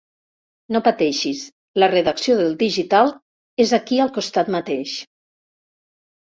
No pateixis, la redacció del digital és aquí al costat mateix.